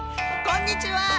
こんにちは！